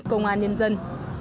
công an nhân dân